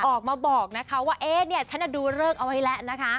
ออกมาบอกว่าฉันดูเริ่มเอาไว้แล้วนะคะ